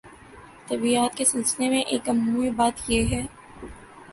طبیعیات کے سلسلے میں ایک عمومی بات یہ ہے